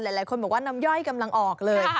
หลายคนบอกว่าน้ำย่อยกำลังออกเลย